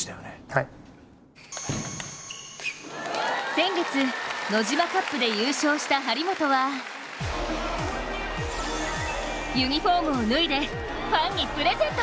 先月、ノジマカップで優勝した張本はユニフォームを脱いでファンにプレゼント。